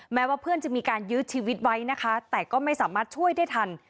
แม้ว่าเพื่อนจะมีการยื้อชีวิตไว้นะคะแต่ก็ไม่สามารถช่วยได้ทัน